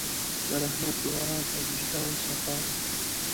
د رحمت دعا د وجدان صفا ده.